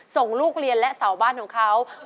ส่งลูกเรียนและเสาบ้านของเขา